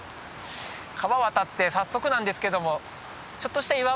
川渡って早速なんですけどもちょっとした岩場が出てきます。